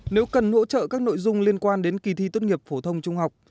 nếu cần hỗ trợ các nội dung liên quan đến kỳ thi tốt nghiệp phổ thông trung học